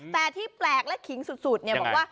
แต่ที่แปลกและขิงสุดเนี่ย